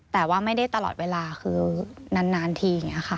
แต่ว่าไม่ได้ตลอดเวลาคือนานทีอย่างนี้ค่ะ